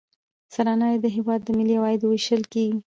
سرانه عاید د هیواد د ملي عوایدو ویشل دي.